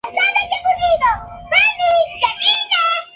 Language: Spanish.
En estas elecciones se renovó totalmente la Cámara Baja de la Dieta de Japón.